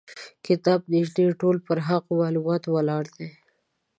کتاب نیژدې ټول پر هغو معلوماتو ولاړ دی.